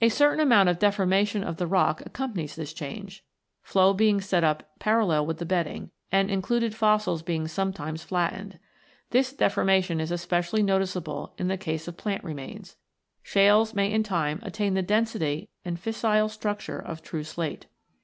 A certain amount of deformation of the e 2 84 ROCKS AND THEIR ORIGINS [OH. rock accompanies this change, flow being set up parallel with the bedding, and included fossils be coming sometimes flattened. This deformation is especially noticeable in the case of plant remains. Shales may in time attain the density and fissile structure of true slate.